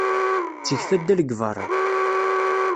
Ttget addal deg beṛṛa.